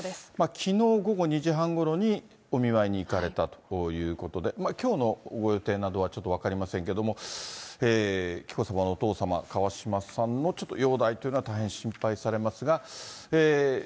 きのう午後２時半ごろにお見舞いに行かれたということで、きょうのご予定などはちょっと分かりませんけれども、紀子さまのお父様、川嶋さんのちょっと容体というのは大変心配されますが。